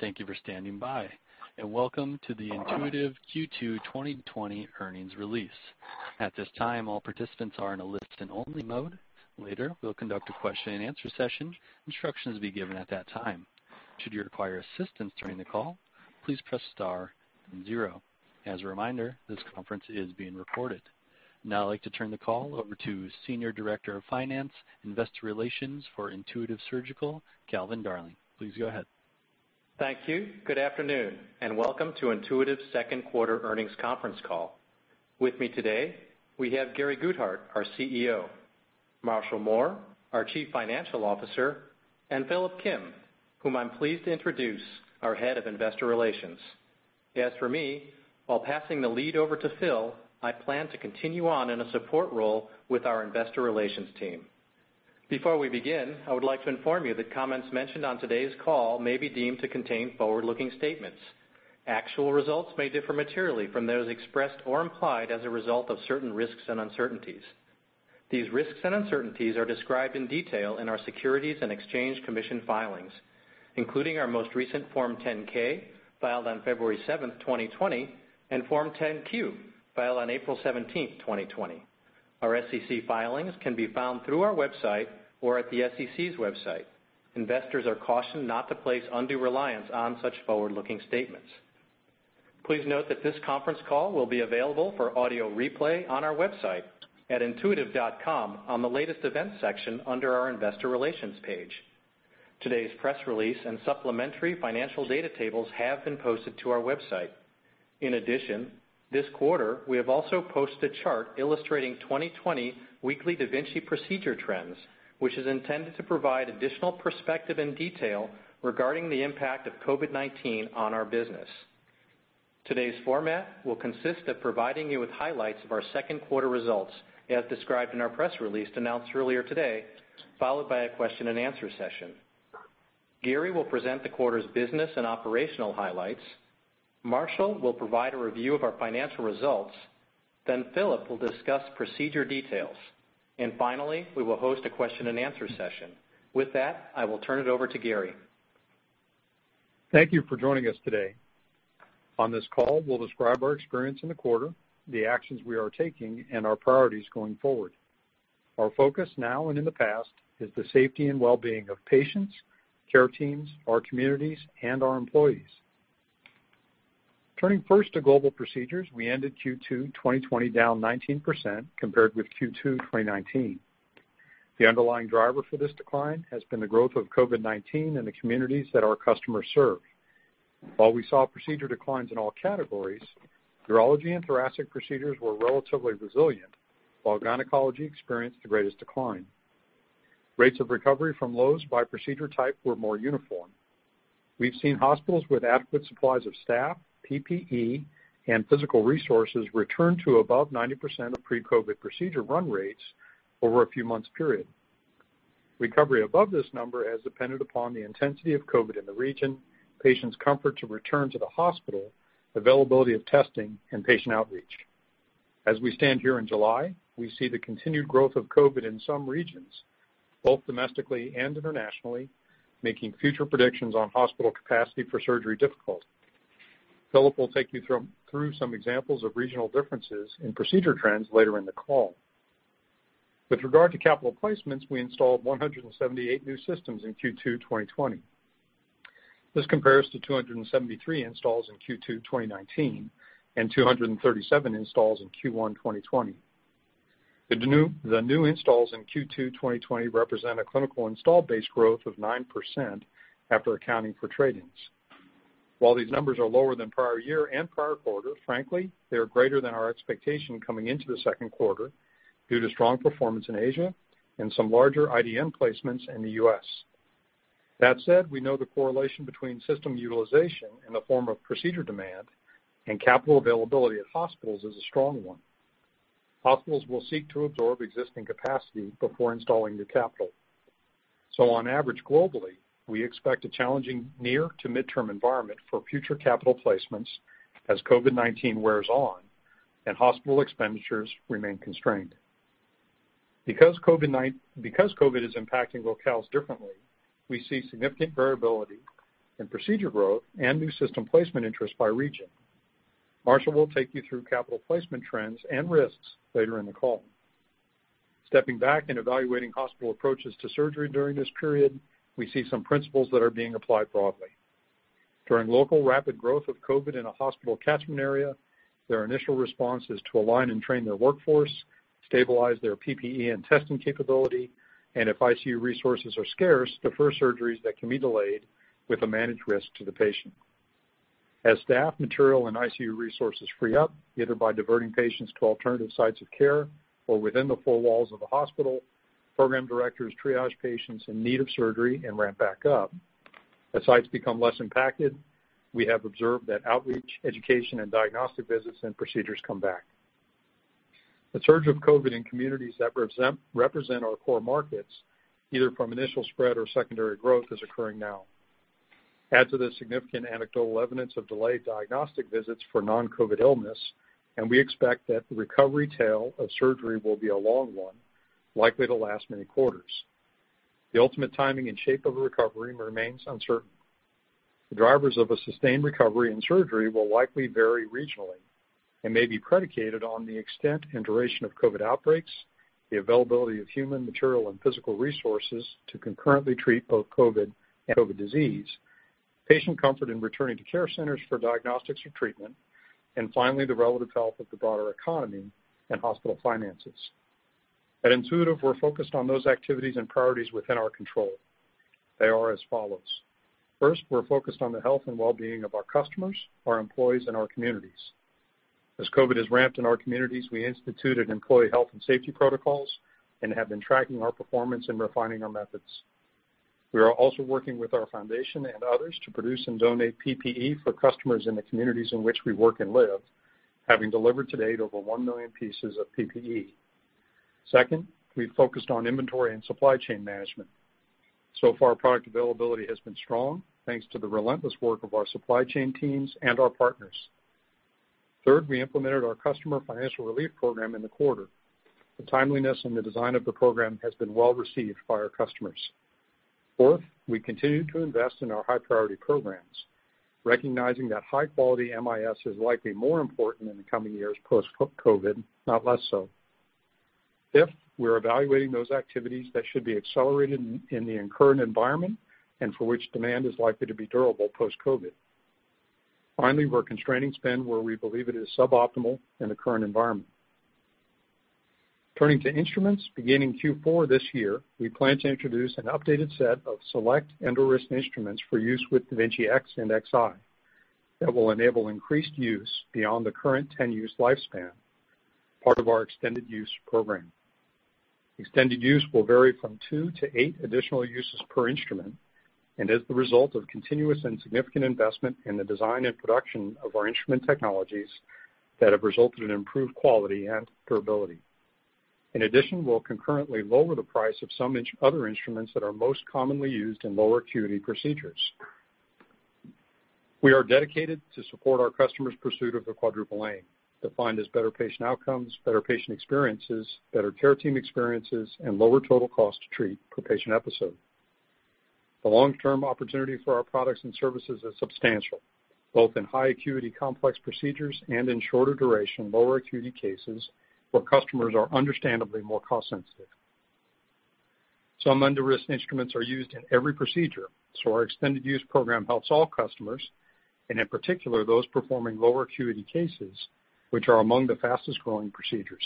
Thank you for standing by, and welcome to the Intuitive Q2 2020 earnings release. At this time, all participants are in a listen-only mode. Later, we'll conduct a question and answer session. Instructions will be given at that time. Should you require assistance during the call, please press star then zero. As a reminder, this conference is being recorded. I'd like to turn the call over to Senior Director of Finance, Investor Relations for Intuitive Surgical, Calvin Darling. Please go ahead. Thank you. Good afternoon, and welcome to Intuitive's second quarter earnings conference call. With me today, we have Gary Guthart, our CEO, Marshall Mohr, our Chief Financial Officer, and Phillip Kim, whom I'm pleased to introduce, our Head of Investor Relations. As for me, while passing the lead over to Phil, I plan to continue on in a support role with our investor relations team. Before we begin, I would like to inform you that comments mentioned on today's call may be deemed to contain forward-looking statements. Actual results may differ materially from those expressed or implied as a result of certain risks and uncertainties. These risks and uncertainties are described in detail in our Securities and Exchange Commission filings, including our most recent Form 10-K, filed on February seventh, 2020, and Form 10-Q, filed on April 17th, 2020. Our SEC filings can be found through our website or at the SEC's website. Investors are cautioned not to place undue reliance on such forward-looking statements. Please note that this conference call will be available for audio replay on our website at intuitive.com on the Latest Events section under our Investor Relations page. Today's press release and supplementary financial data tables have been posted to our website. In addition, this quarter, we have also posted a chart illustrating 2020 weekly da Vinci procedure trends, which is intended to provide additional perspective and detail regarding the impact of COVID-19 on our business. Today's format will consist of providing you with highlights of our second quarter results as described in our press release announced earlier today, followed by a question and answer session. Gary will present the quarter's business and operational highlights. Marshall will provide a review of our financial results. Phillip will discuss procedure details. Finally, we will host a question and answer session. With that, I will turn it over to Gary. Thank you for joining us today. On this call, we'll describe our experience in the quarter, the actions we are taking, and our priorities going forward. Our focus now and in the past is the safety and wellbeing of patients, care teams, our communities, and our employees. Turning first to global procedures, we ended Q2 2020 down 19% compared with Q2 2019. The underlying driver for this decline has been the growth of COVID-19 in the communities that our customers serve. While we saw procedure declines in all categories, urology and thoracic procedures were relatively resilient, while gynecology experienced the greatest decline. Rates of recovery from lows by procedure type were more uniform. We've seen hospitals with adequate supplies of staff, PPE, and physical resources return to above 90% of pre-COVID procedure run rates over a few months period. Recovery above this number has depended upon the intensity of COVID in the region, patients' comfort to return to the hospital, availability of testing, and patient outreach. As we stand here in July, we see the continued growth of COVID in some regions, both domestically and internationally, making future predictions on hospital capacity for surgery difficult. Phillip will take you through some examples of regional differences in procedure trends later in the call. With regard to capital placements, we installed 178 new systems in Q2 2020. This compares to 273 installs in Q2 2019 and 237 installs in Q1 2020. The new installs in Q2 2020 represent a clinical install base growth of 9% after accounting for trad-ins. While these numbers are lower than prior year and prior quarter, frankly, they are greater than our expectation coming into the second quarter due to strong performance in Asia and some larger IDN placements in the U.S. That said, we know the correlation between system utilization in the form of procedure demand and capital availability at hospitals is a strong one. Hospitals will seek to absorb existing capacity before installing new capital. On average globally, we expect a challenging near to midterm environment for future capital placements as COVID-19 wears on and hospital expenditures remain constrained. Because COVID is impacting locales differently, we see significant variability in procedure growth and new system placement interest by region. Marshall will take you through capital placement trends and risks later in the call. Stepping back and evaluating hospital approaches to surgery during this period, we see some principles that are being applied broadly. During local rapid growth of COVID in a hospital catchment area, their initial response is to align and train their workforce, stabilize their PPE and testing capability, and if ICU resources are scarce, defer surgeries that can be delayed with a managed risk to the patient. As staff, material, and ICU resources free up, either by diverting patients to alternative sites of care or within the four walls of the hospital, program directors triage patients in need of surgery and ramp back up. As sites become less impacted, we have observed that outreach, education, and diagnostic visits and procedures come back. The surge of COVID in communities that represent our core markets, either from initial spread or secondary growth, is occurring now. Add to this significant anecdotal evidence of delayed diagnostic visits for non-COVID illness, we expect that the recovery tail of surgery will be a long one, likely to last many quarters. The ultimate timing and shape of the recovery remains uncertain. The drivers of a sustained recovery in surgery will likely vary regionally and may be predicated on the extent and duration of COVID outbreaks, the availability of human, material, and physical resources to concurrently treat both COVID and other disease, patient comfort in returning to care centers for diagnostics or treatment, and finally, the relative health of the broader economy and hospital finances. At Intuitive, we're focused on those activities and priorities within our control. They are as follows. First, we're focused on the health and well-being of our customers, our employees, and our communities. As COVID has ramped in our communities, we instituted employee health and safety protocols and have been tracking our performance and refining our methods. We are also working with our foundation and others to produce and donate PPE for customers in the communities in which we work and live, having delivered to date over 1 million pieces of PPE. Second, we focused on inventory and supply chain management. Product availability has been strong, thanks to the relentless work of our supply chain teams and our partners. Third, we implemented our customer financial relief program in the quarter. The timeliness and the design of the program has been well received by our customers. Fourth, we continue to invest in our high-priority programs, recognizing that high-quality MIS is likely more important in the coming years post-COVID, not less so. Fifth, we're evaluating those activities that should be accelerated in the current environment and for which demand is likely to be durable post-COVID. Finally, we're constraining spend where we believe it is suboptimal in the current environment. Turning to instruments, beginning Q4 this year, we plan to introduce an updated set of select EndoWrist instruments for use with da Vinci X and Xi that will enable increased use beyond the current 10-use lifespan, part of our Extended Use Program. Extended use will vary from two to eight additional uses per instrument and is the result of continuous and significant investment in the design and production of our instrument technologies that have resulted in improved quality and durability. In addition, we'll concurrently lower the price of some other instruments that are most commonly used in lower acuity procedures. We are dedicated to support our customers' pursuit of the Quadruple Aim, defined as better patient outcomes, better patient experiences, better care team experiences, and lower total cost to treat per patient episode. The long-term opportunity for our products and services is substantial, both in high acuity complex procedures and in shorter duration, lower acuity cases where customers are understandably more cost sensitive. Some EndoWrist instruments are used in every procedure, so our extended use program helps all customers, and in particular, those performing lower acuity cases, which are among the fastest-growing procedures.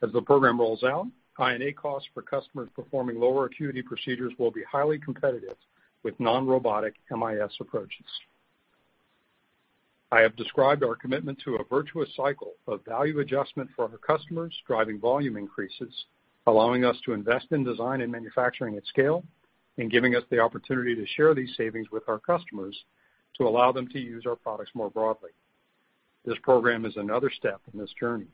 As the program rolls out, I&A costs for customers performing lower acuity procedures will be highly competitive with non-robotic MIS approaches. I have described our commitment to a virtuous cycle of value adjustment for our customers, driving volume increases, allowing us to invest in design and manufacturing at scale, and giving us the opportunity to share these savings with our customers to allow them to use our products more broadly. This program is another step in this journey.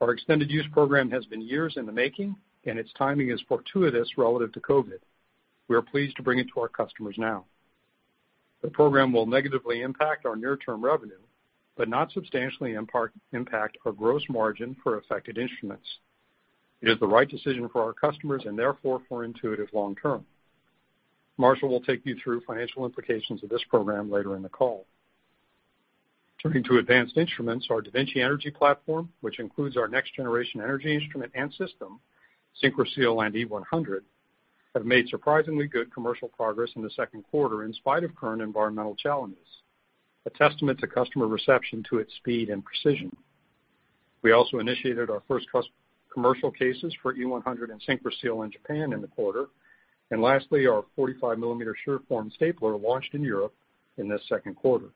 Our extended use program has been years in the making, and its timing is fortuitous relative to COVID. We are pleased to bring it to our customers now. The program will negatively impact our near-term revenue, but not substantially impact our gross margin for affected instruments. It is the right decision for our customers and therefore for Intuitive long term. Marshall will take you through financial implications of this program later in the call. Turning to advanced instruments, our da Vinci Energy Platform, which includes our next-generation energy instrument and system, SynchroSeal and E-100, have made surprisingly good commercial progress in the second quarter in spite of current environmental challenges, a testament to customer reception to its speed and precision. We also initiated our first commercial cases for E-100 and SynchroSeal in Japan in the quarter. Lastly, our 45mm SureForm stapler launched in Europe in this second quarter.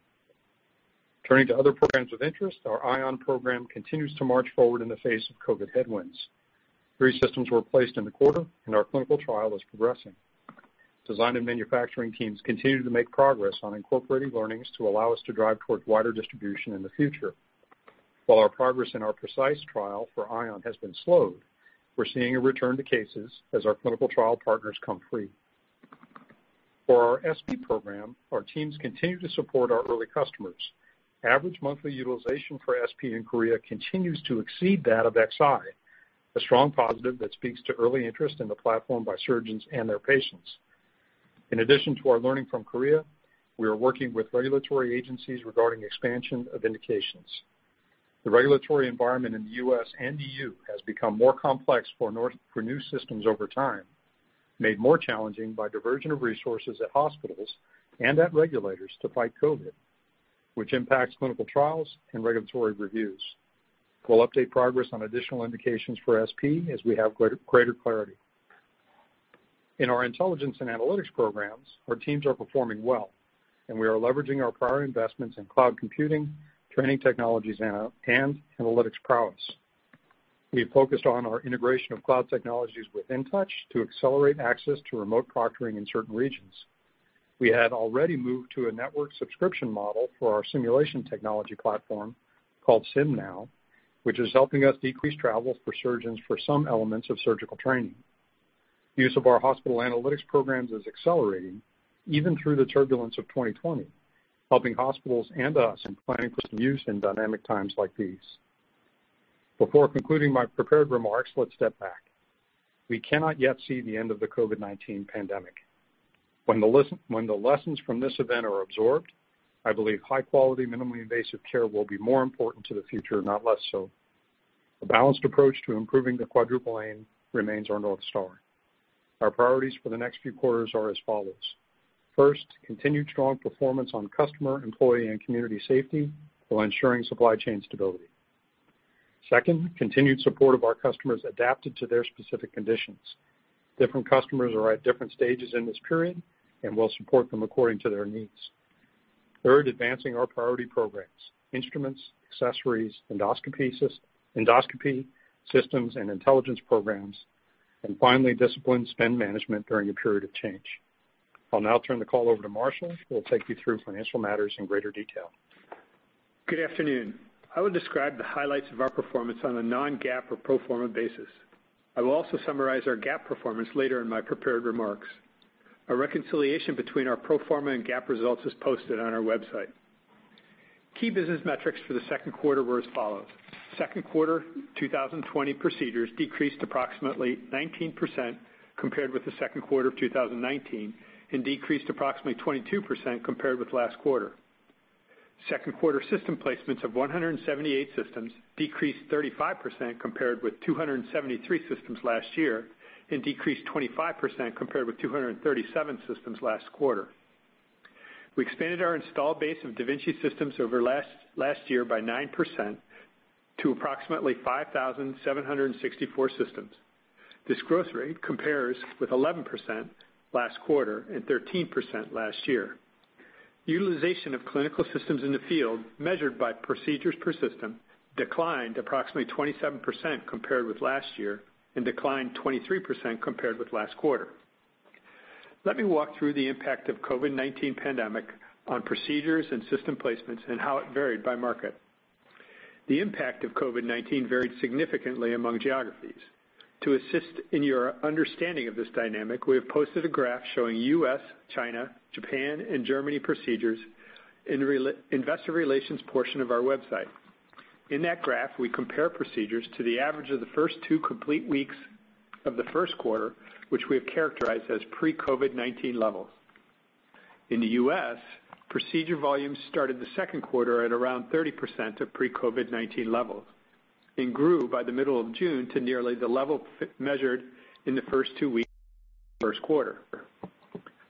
Turning to other programs of interest, our Ion program continues to march forward in the face of COVID headwinds. Three systems were placed in the quarter and our clinical trial is progressing. Design and manufacturing teams continue to make progress on incorporating learnings to allow us to drive towards wider distribution in the future. While our progress in our PRECIsE trial for Ion has been slowed, we're seeing a return to cases as our clinical trial partners come free. For our SP program, our teams continue to support our early customers. Average monthly utilization for SP in Korea continues to exceed that of Xi, a strong positive that speaks to early interest in the platform by surgeons and their patients. In addition to our learning from Korea, we are working with regulatory agencies regarding expansion of indications. The regulatory environment in the U.S. and EU has become more complex for new systems over time, made more challenging by diversion of resources at hospitals and at regulators to fight COVID, which impacts clinical trials and regulatory reviews. We'll update progress on additional indications for SP as we have greater clarity. In our intelligence and analytics programs, our teams are performing well, and we are leveraging our prior investments in cloud computing, training technologies, and analytics prowess. We have focused on our integration of cloud technologies with InTouch to accelerate access to remote proctoring in certain regions. We had already moved to a network subscription model for our simulation technology platform called SimNow, which is helping us decrease travel for surgeons for some elements of surgical training. Use of our hospital analytics programs is accelerating even through the turbulence of 2020, helping hospitals and us in planning for some use in dynamic times like these. Before concluding my prepared remarks, let's step back. We cannot yet see the end of the COVID-19 pandemic. When the lessons from this event are absorbed, I believe high-quality, minimally invasive care will be more important to the future, not less so. A balanced approach to improving the Quadruple Aim remains our North Star. Our priorities for the next few quarters are as follows. First, continued strong performance on customer, employee, and community safety while ensuring supply chain stability. Second, continued support of our customers adapted to their specific conditions. Different customers are at different stages in this period, and we'll support them according to their needs. Third, advancing our priority programs, instruments, accessories, endoscopy systems, and intelligence programs. Finally, disciplined spend management during a period of change. I'll now turn the call over to Marshall, who will take you through financial matters in greater detail. Good afternoon. I will describe the highlights of our performance on a non-GAAP or pro forma basis. I will also summarize our GAAP performance later in my prepared remarks. A reconciliation between our pro forma and GAAP results is posted on our website. Key business metrics for the second quarter were as follows. Second quarter 2020 procedures decreased approximately 19% compared with the second quarter of 2019 and decreased approximately 22% compared with last quarter. Second quarter system placements of 178 systems decreased 35% compared with 273 systems last year and decreased 25% compared with 237 systems last quarter. We expanded our installed base of da Vinci systems over last year by 9% to approximately 5,764 systems. This growth rate compares with 11% last quarter and 13% last year. Utilization of clinical systems in the field measured by procedures per system declined approximately 27% compared with last year and declined 23% compared with last quarter. Let me walk through the impact of COVID-19 pandemic on procedures and system placements and how it varied by market. The impact of COVID-19 varied significantly among geographies. To assist in your understanding of this dynamic, we have posted a graph showing U.S., China, Japan, and Germany procedures in the investor relations portion of our website. In that graph, we compare procedures to the average of the first two complete weeks of the first quarter, which we have characterized as pre-COVID-19 levels. In the U.S., procedure volumes started the second quarter at around 30% of pre-COVID-19 levels and grew by the middle of June to nearly the level measured in the first two weeks of the first quarter.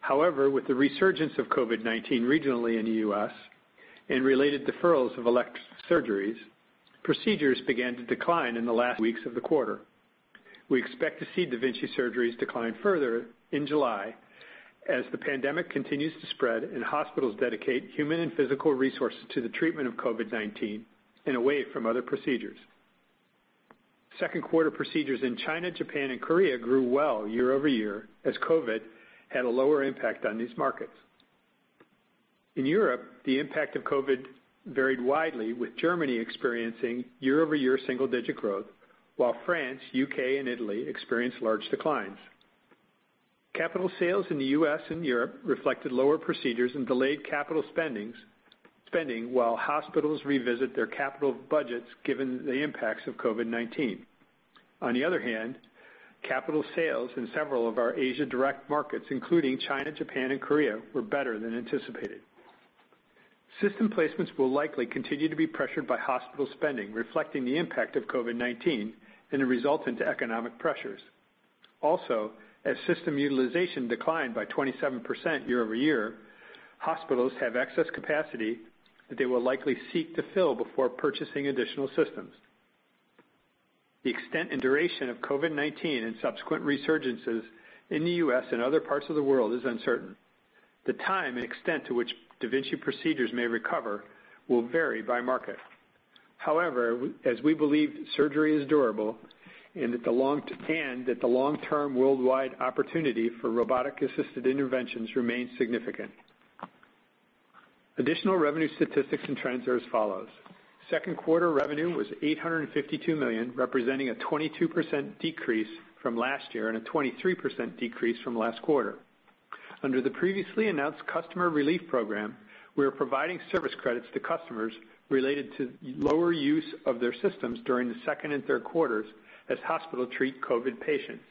However, with the resurgence of COVID-19 regionally in the U.S. and related deferrals of elective surgeries, procedures began to decline in the last weeks of the quarter. We expect to see da Vinci surgeries decline further in July as the pandemic continues to spread and hospitals dedicate human and physical resources to the treatment of COVID-19 and away from other procedures. Second quarter procedures in China, Japan, and Korea grew well year-over-year as COVID had a lower impact on these markets. In Europe, the impact of COVID varied widely, with Germany experiencing year-over-year single-digit growth, while France, U.K., and Italy experienced large declines. Capital sales in the U.S. and Europe reflected lower procedures and delayed capital spending while hospitals revisit their capital budgets given the impacts of COVID-19. On the other hand, capital sales in several of our Asia direct markets, including China, Japan, and Korea, were better than anticipated. System placements will likely continue to be pressured by hospital spending, reflecting the impact of COVID-19 and the resultant economic pressures. As system utilization declined by 27% year-over-year, hospitals have excess capacity that they will likely seek to fill before purchasing additional systems. The extent and duration of COVID-19 and subsequent resurgences in the U.S. and other parts of the world is uncertain. The time and extent to which da Vinci procedures may recover will vary by market. As we believe surgery is durable and that the long-term worldwide opportunity for robotic-assisted interventions remains significant. Additional revenue statistics and trends are as follows. Second quarter revenue was $852 million, representing a 22% decrease from last year and a 23% decrease from last quarter. Under the previously announced customer relief program, we are providing service credits to customers related to lower use of their systems during the second and third quarters as hospitals treat COVID patients.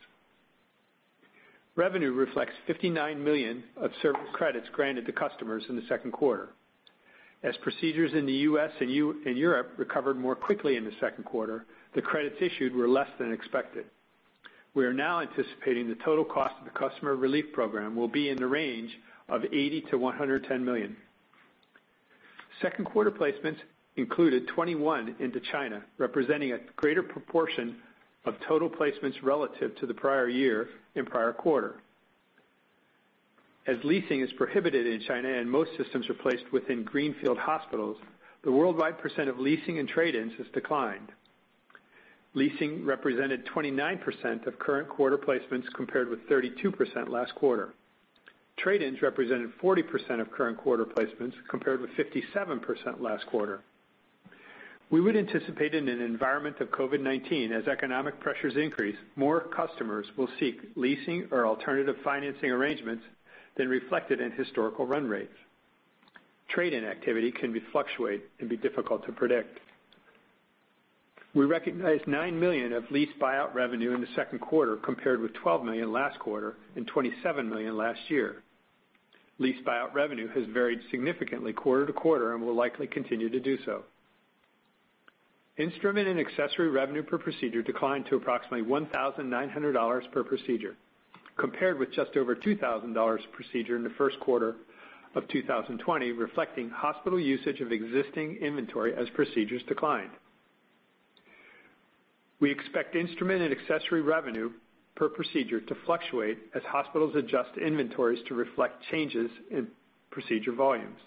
Revenue reflects $59 million of service credits granted to customers in the second quarter. As procedures in the U.S. and Europe recovered more quickly in the second quarter, the credits issued were less than expected. We are now anticipating the total cost of the customer relief program will be in the range of $80 million-$110 million. Second quarter placements included 21 into China, representing a greater proportion of total placements relative to the prior year and prior quarter. As leasing is prohibited in China and most systems are placed within greenfield hospitals, the worldwide % of leasing and trade-ins has declined. Leasing represented 29% of current quarter placements, compared with 32% last quarter. Trade-ins represented 40% of current quarter placements, compared with 57% last quarter. We would anticipate in an environment of COVID-19, as economic pressures increase, more customers will seek leasing or alternative financing arrangements than reflected in historical run rates. Trade-in activity can fluctuate and be difficult to predict. We recognized $9 million of lease buyout revenue in the second quarter, compared with $12 million last quarter and $27 million last year. Lease buyout revenue has varied significantly quarter to quarter and will likely continue to do so. Instrument and accessory revenue per procedure declined to approximately $1,900 per procedure, compared with just over $2,000 per procedure in the first quarter of 2020, reflecting hospital usage of existing inventory as procedures declined. We expect instrument and accessory revenue per procedure to fluctuate as hospitals adjust inventories to reflect changes in procedure volumes.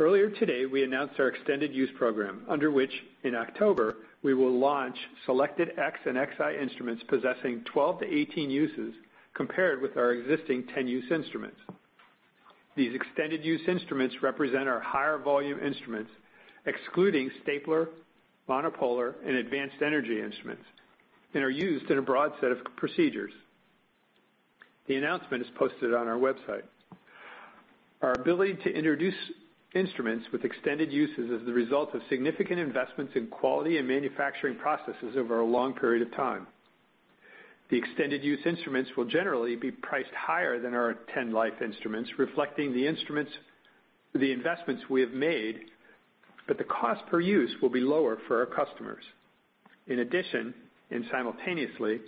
Earlier today, we announced our extended use program, under which, in October, we will launch selected da Vinci X and da Vinci Xi instruments possessing 12 to 18 uses compared with our existing 10-use instruments. These extended use instruments represent our higher volume instruments, excluding stapler, monopolar, and advanced energy instruments, and are used in a broad set of procedures. The announcement is posted on our website. Our ability to introduce instruments with extended uses is the result of significant investments in quality and manufacturing processes over a long period of time. The extended use instruments will generally be priced higher than our 10-life instruments, reflecting the investments we have made, but the cost per use will be lower for our customers. In addition, and simultaneously,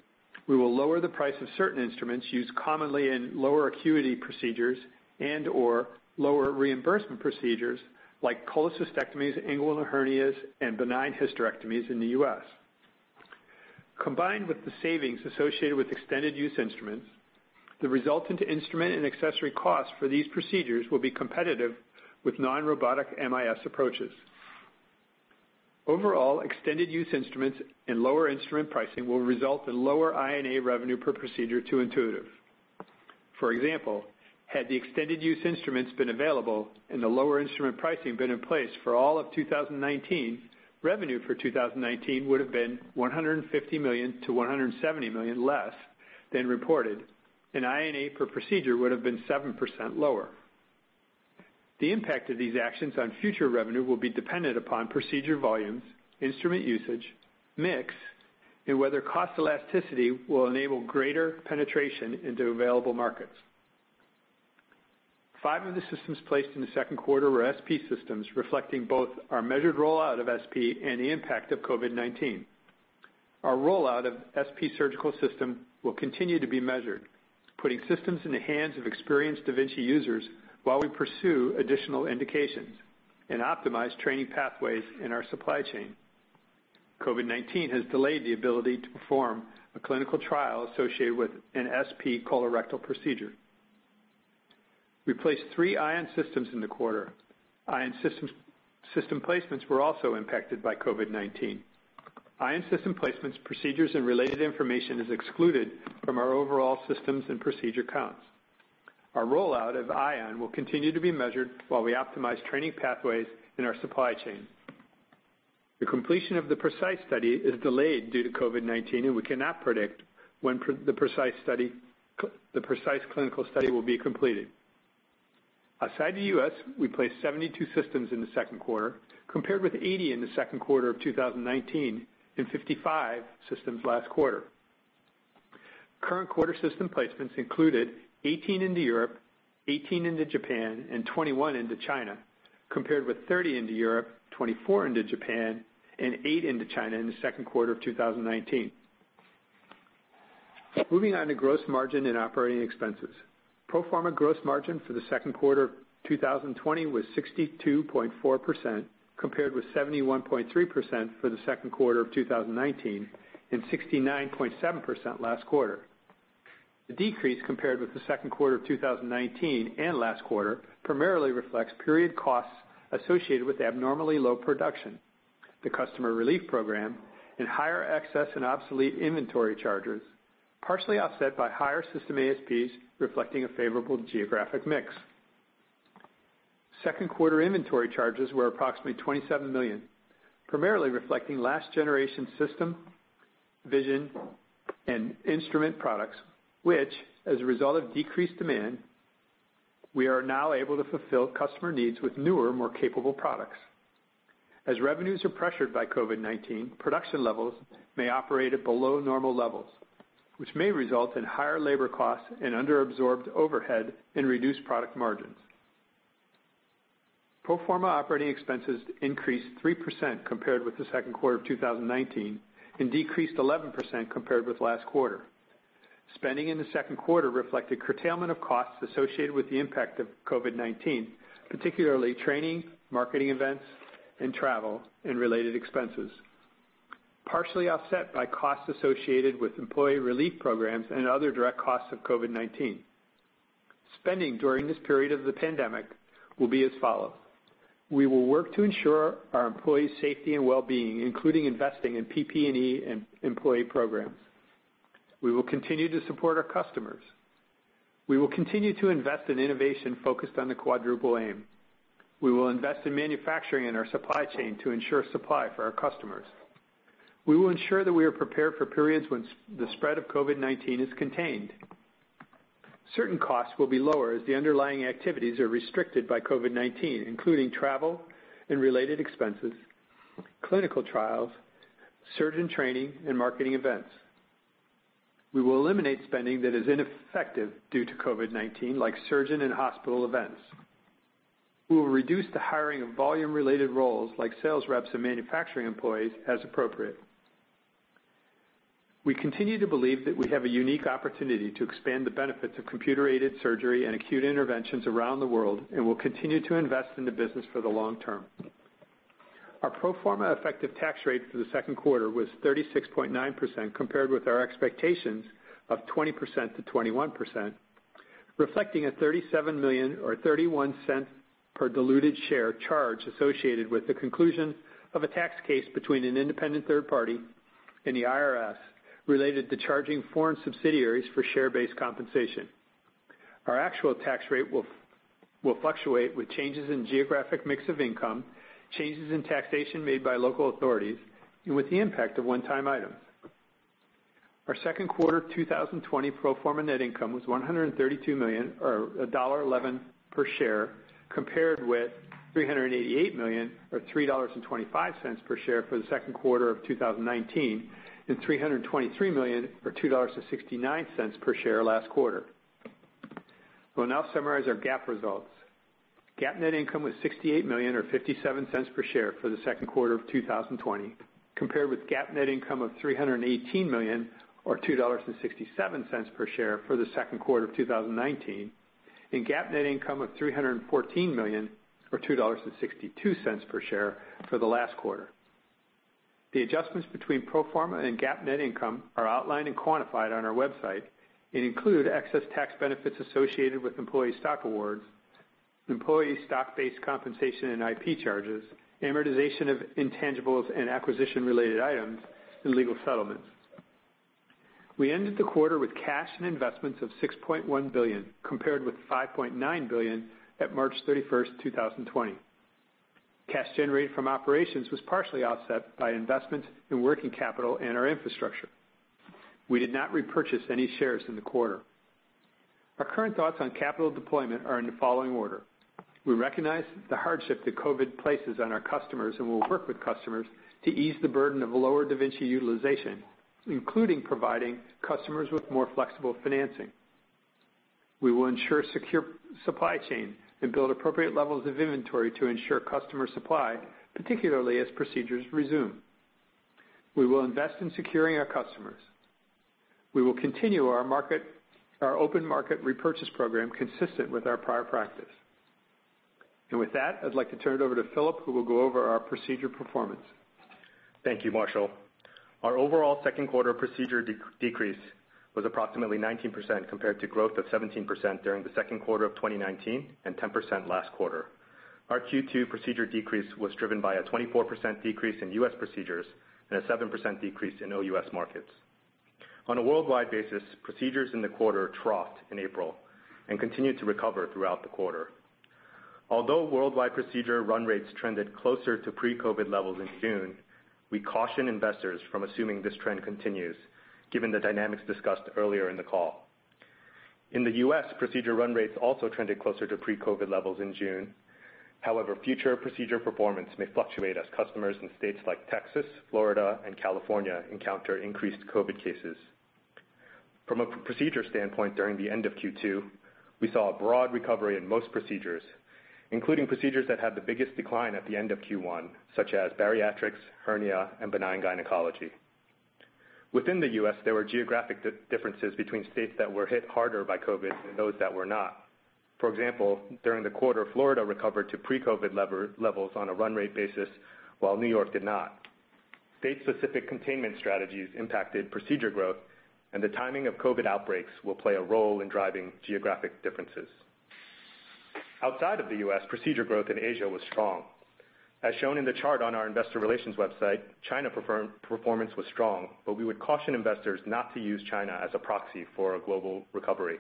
we will lower the price of certain instruments used commonly in lower acuity procedures and/or lower reimbursement procedures like cholecystectomies, inguinal hernias, and benign hysterectomies in the U.S. Combined with the savings associated with extended use instruments, the resultant instrument and accessory costs for these procedures will be competitive with non-robotic MIS approaches. Overall, extended use instruments and lower instrument pricing will result in lower I&A revenue per procedure to Intuitive. For example, had the extended use instruments been available and the lower instrument pricing been in place for all of 2019, revenue for 2019 would've been $150 million-$170 million less than reported, and I&A per procedure would've been 7% lower. The impact of these actions on future revenue will be dependent upon procedure volumes, instrument usage, mix, and whether cost elasticity will enable greater penetration into available markets. Five of the systems placed in the second quarter were SP systems, reflecting both our measured rollout of SP and the impact of COVID-19. Our rollout of SP surgical system will continue to be measured, putting systems in the hands of experienced da Vinci users while we pursue additional indications and optimize training pathways in our supply chain. COVID-19 has delayed the ability to perform a clinical trial associated with an SP colorectal procedure. We placed three Ion systems in the quarter. Ion system placements were also impacted by COVID-19. Ion system placements, procedures, and related information is excluded from our overall systems and procedure counts. Our rollout of Ion will continue to be measured while we optimize training pathways in our supply chain. The completion of the PRECIsE study is delayed due to COVID-19. We cannot predict when the PRECIsE clinical study will be completed. Outside the U.S., we placed 72 systems in the second quarter, compared with 80 in the second quarter of 2019 and 55 systems last quarter. Current quarter system placements included 18 into Europe, 18 into Japan, and 21 into China, compared with 30 into Europe, 24 into Japan, and eight into China in the second quarter of 2019. Moving on to gross margin and operating expenses. Pro forma gross margin for the second quarter of 2020 was 62.4%, compared with 71.3% for the second quarter of 2019 and 69.7% last quarter. The decrease compared with the second quarter of 2019 and last quarter primarily reflects period costs associated with abnormally low production, the customer relief program, and higher excess and obsolete inventory charges, partially offset by higher system ASPs reflecting a favorable geographic mix. Second quarter inventory charges were approximately $27 million, primarily reflecting last-generation system, vision, and instrument products, which, as a result of decreased demand, we are now able to fulfill customer needs with newer, more capable products. As revenues are pressured by COVID-19, production levels may operate at below normal levels, which may result in higher labor costs and under-absorbed overhead and reduced product margins. Pro forma operating expenses increased 3% compared with the second quarter of 2019 and decreased 11% compared with last quarter. Spending in the second quarter reflected curtailment of costs associated with the impact of COVID-19, particularly training, marketing events, and travel and related expenses, partially offset by costs associated with employee relief programs and other direct costs of COVID-19. Spending during this period of the pandemic will be as follows. We will work to ensure our employees' safety and well-being, including investing in PPE and employee programs. We will continue to support our customers. We will continue to invest in innovation focused on the Quadruple Aim. We will invest in manufacturing and our supply chain to ensure supply for our customers. We will ensure that we are prepared for periods when the spread of COVID-19 is contained. Certain costs will be lower as the underlying activities are restricted by COVID-19, including travel and related expenses, clinical trials, surgeon training, and marketing events. We will eliminate spending that is ineffective due to COVID-19, like surgeon and hospital events. We will reduce the hiring of volume-related roles like sales reps and manufacturing employees as appropriate. We continue to believe that we have a unique opportunity to expand the benefits of computer-aided surgery and acute interventions around the world, and we'll continue to invest in the business for the long term. Our pro forma effective tax rate for the second quarter was 36.9%, compared with our expectations of 20%-21%, reflecting a $37 million or $0.31 per diluted share charge associated with the conclusion of a tax case between an independent third party and the IRS related to charging foreign subsidiaries for share-based compensation. Our actual tax rate will fluctuate with changes in geographic mix of income, changes in taxation made by local authorities, and with the impact of one-time items. Our second quarter 2020 pro forma net income was $132 million, or $1.11 per share, compared with $388 million or $3.25 per share for the second quarter of 2019, and $323 million or $2.69 per share last quarter. We'll now summarize our GAAP results. GAAP net income was $68 million or $0.57 per share for the second quarter of 2020, compared with GAAP net income of $318 million or $2.67 per share for the second quarter of 2019, and GAAP net income of $314 million or $2.62 per share for the last quarter. The adjustments between pro forma and GAAP net income are outlined and quantified on our website and include excess tax benefits associated with employee stock awards, employee stock-based compensation and IP charges, amortization of intangibles and acquisition-related items, and legal settlements. We ended the quarter with cash and investments of $6.1 billion, compared with $5.9 billion at March 31st, 2020. Cash generated from operations was partially offset by investment in working capital and our infrastructure. We did not repurchase any shares in the quarter. Our current thoughts on capital deployment are in the following order. We recognize the hardship that COVID places on our customers and will work with customers to ease the burden of lower da Vinci utilization, including providing customers with more flexible financing. We will ensure secure supply chain and build appropriate levels of inventory to ensure customer supply, particularly as procedures resume. We will invest in securing our customers. We will continue our open market repurchase program consistent with our prior practice. With that, I'd like to turn it over to Phillip, who will go over our procedure performance. Thank you, Marshall. Our overall second quarter procedure decrease was approximately 19% compared to growth of 17% during the second quarter of 2019 and 10% last quarter. Our Q2 procedure decrease was driven by a 24% decrease in U.S. procedures and a 7% decrease in OUS markets. On a worldwide basis, procedures in the quarter troughed in April and continued to recover throughout the quarter. Although worldwide procedure run rates trended closer to pre-COVID levels in June, we caution investors from assuming this trend continues given the dynamics discussed earlier in the call. In the U.S., procedure run rates also trended closer to pre-COVID levels in June. However, future procedure performance may fluctuate as customers in states like Texas, Florida, and California encounter increased COVID cases. From a procedure standpoint, during the end of Q2, we saw a broad recovery in most procedures, including procedures that had the biggest decline at the end of Q1, such as bariatrics, hernia, and benign gynecology. Within the U.S., there were geographic differences between states that were hit harder by COVID than those that were not. For example, during the quarter, Florida recovered to pre-COVID levels on a run rate basis, while New York did not. State-specific containment strategies impacted procedure growth, and the timing of COVID outbreaks will play a role in driving geographic differences. Outside of the U.S., procedure growth in Asia was strong. As shown in the chart on our investor relations website, China performance was strong, but we would caution investors not to use China as a proxy for a global recovery.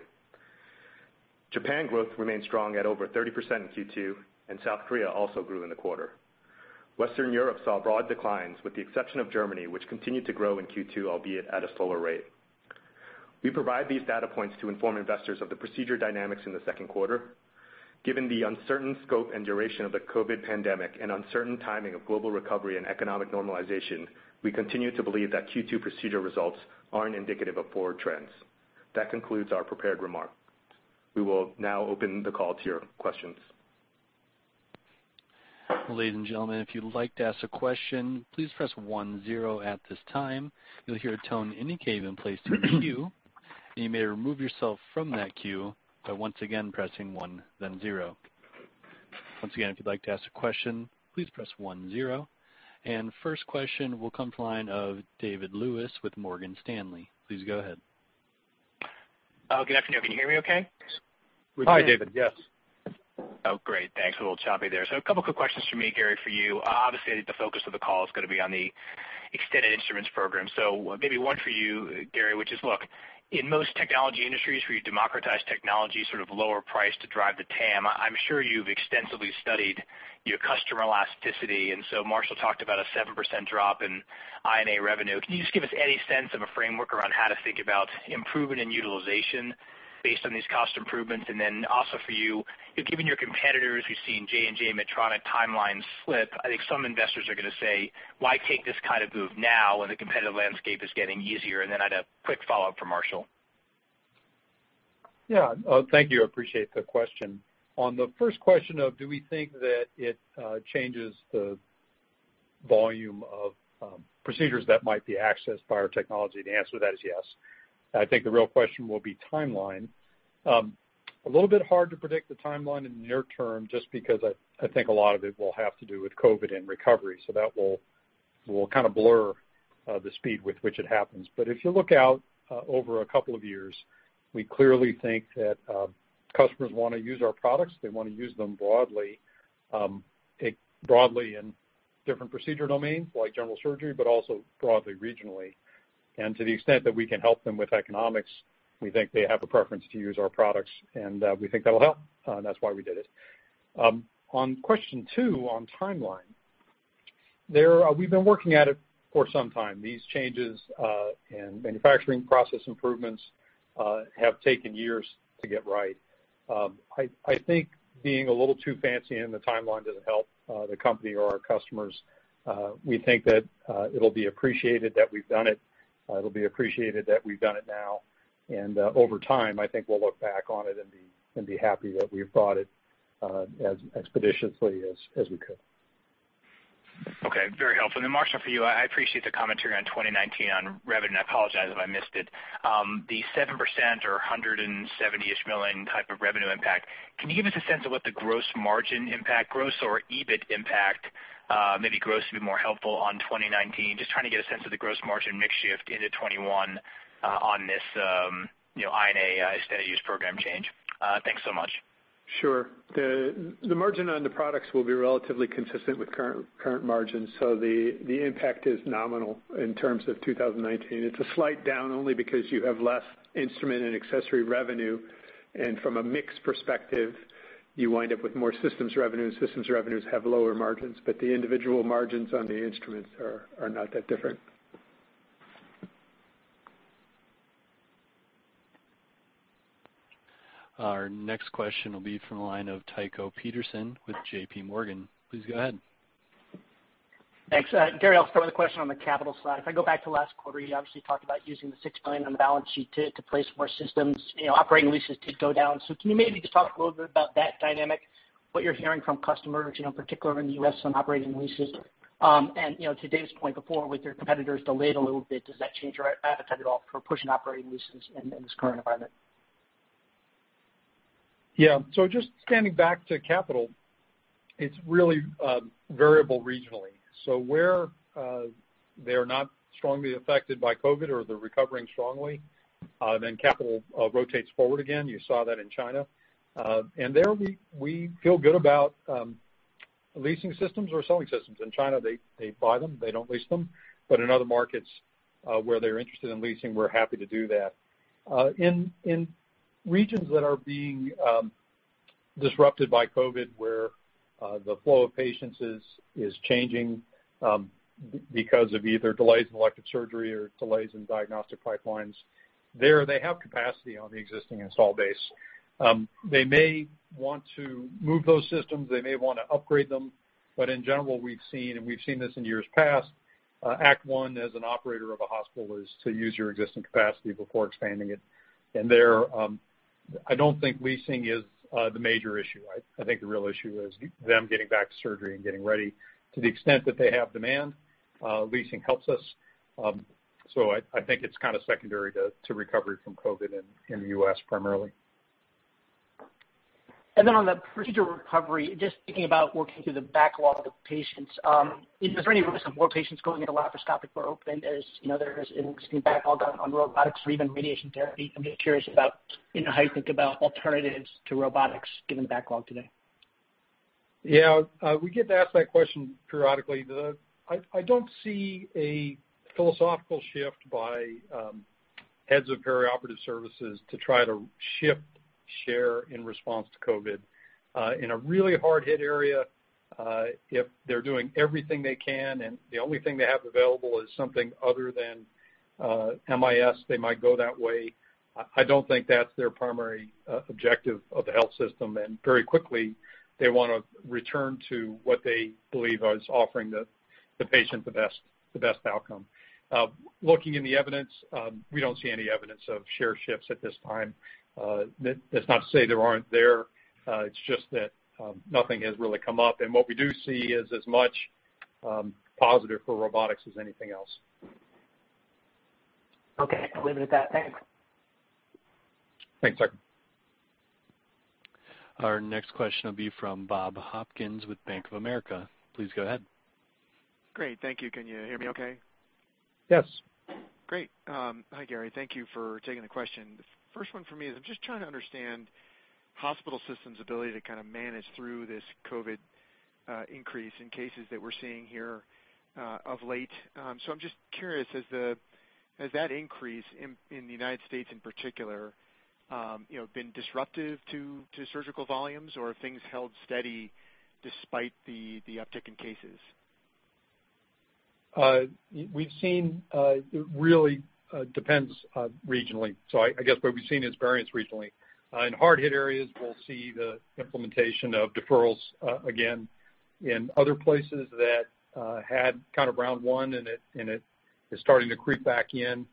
Japan growth remained strong at over 30% in Q2, and South Korea also grew in the quarter. Western Europe saw broad declines, with the exception of Germany, which continued to grow in Q2, albeit at a slower rate. We provide these data points to inform investors of the procedure dynamics in the second quarter. Given the uncertain scope and duration of the COVID pandemic and uncertain timing of global recovery and economic normalization, we continue to believe that Q2 procedure results aren't indicative of forward trends. That concludes our prepared remarks. We will now open the call to your questions. Ladies and gentlemen, if you'd like to ask a question, please press one zero at this time. You'll hear a tone indicate it placed in the queue, and you may remove yourself from that queue by once again pressing one then zero. Once again, if you'd like to ask a question, please press one zero. First question will come to the line of David Lewis with Morgan Stanley. Please go ahead. Oh, good afternoon. Can you hear me okay? We can. Hi, David. Yes. Oh, great. Thanks. A little choppy there. A couple of quick questions from me, Gary, for you. Obviously, the focus of the call is going to be on the extended instruments program. Maybe one for you, Gary, which is look, in most technology industries where you democratize technology, sort of lower price to drive the TAM, I'm sure you've extensively studied your customer elasticity, and Marshall talked about a 7% drop in INA revenue. Can you just give us any sense of a framework around how to think about improvement in utilization based on these cost improvements? Also for you, given your competitors, we've seen J&J and Medtronic timelines slip. I think some investors are going to say, "Why take this kind of move now when the competitive landscape is getting easier?" I'd a quick follow-up for Marshall. Thank you. I appreciate the question. On the first question of do we think that it changes the volume of procedures that might be accessed by our technology, the answer to that is yes. I think the real question will be timeline. A little bit hard to predict the timeline in the near term, just because I think a lot of it will have to do with COVID-19 and recovery. That will kind of blur the speed with which it happens. If you look out over a couple of years, we clearly think that customers want to use our products. They want to use them broadly, take broadly in different procedure domains like general surgery, but also broadly regionally. To the extent that we can help them with economics, we think they have a preference to use our products, and we think that'll help, and that's why we did it. On question two, on timeline, we've been working at it for some time. These changes and manufacturing process improvements have taken years to get right. I think being a little too fancy in the timeline doesn't help the company or our customers. We think that it'll be appreciated that we've done it. It'll be appreciated that we've done it now. Over time, I think we'll look back on it and be happy that we've brought it as expeditiously as we could. Okay. Very helpful. Marshall, for you, I appreciate the commentary on 2019 on revenue, and I apologize if I missed it. The 7% or $170-ish million type of revenue impact, can you give us a sense of what the gross margin impact, gross or EBIT impact, maybe gross would be more helpful on 2019? Just trying to get a sense of the gross margin mix shift into 2021 on this INA extended use program change. Thanks so much. Sure. The margin on the products will be relatively consistent with current margins. The impact is nominal in terms of 2019. It's a slight down only because you have less instrument and accessory revenue, and from a mix perspective, you wind up with more systems revenue, and systems revenues have lower margins. The individual margins on the instruments are not that different. Our next question will be from the line of Tycho Peterson with JPMorgan. Please go ahead. Thanks. Gary, I'll start with a question on the capital side. If I go back to last quarter, you obviously talked about using the $6 million on the balance sheet to place more systems. Operating leases did go down. Can you maybe just talk a little bit about that dynamic, what you're hearing from customers, particularly around the U.S. on operating leases? To Dave's point before, with your competitors delayed a little bit, does that change your appetite at all for pushing operating leases in this current environment? Just scanning back to capital, it's really variable regionally. Where they're not strongly affected by COVID or they're recovering strongly, capital rotates forward again. You saw that in China. There we feel good about leasing systems or selling systems. In China, they buy them, they don't lease them. In other markets where they're interested in leasing, we're happy to do that. In regions that are being disrupted by COVID, where the flow of patients is changing because of either delays in elective surgery or delays in diagnostic pipelines, there they have capacity on the existing install base. They may want to move those systems, they may want to upgrade them, in general, we've seen, and we've seen this in years past, act one as an operator of a hospital is to use your existing capacity before expanding it. There, I don't think leasing is the major issue. I think the real issue is them getting back to surgery and getting ready. To the extent that they have demand, leasing helps us. I think it's kind of secondary to recovery from COVID in the U.S. primarily. On the procedure recovery, just thinking about working through the backlog of patients, is there any risk of more patients going into laparoscopic or open as there is an existing backlog on robotics or even radiation therapy? I'm just curious about how you think about alternatives to robotics given the backlog today. Yeah. We get asked that question periodically. I don't see a philosophical shift by heads of perioperative services to try to shift share in response to COVID-19. In a really hard-hit area, if they're doing everything they can and the only thing they have available is something other than MIS, they might go that way. I don't think that's their primary objective of the health system, and very quickly, they want to return to what they believe is offering the patient the best outcome. Looking in the evidence, we don't see any evidence of share shifts at this time. That's not to say they aren't there. It's just that nothing has really come up, and what we do see is as much positive for robotics as anything else. Okay. I'll leave it at that. Thanks. Thanks, Tycho. Our next question will be from Bob Hopkins with Bank of America. Please go ahead. Great. Thank you. Can you hear me okay? Yes. Great. Hi, Gary. Thank you for taking the question. The first one for me is, I'm just trying to understand hospital systems' ability to kind of manage through this COVID-19 increase in cases that we're seeing here of late. I'm just curious, has that increase, in the U.S. in particular, been disruptive to surgical volumes, or have things held steady despite the uptick in cases? It really depends regionally. I guess what we've seen is variance regionally. In hard-hit areas, we'll see the implementation of deferrals again. In other places that had kind of round 1 and it is starting to creep back in,